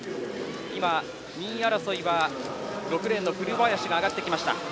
今、２位争いは６レーンの古林が上がってきました。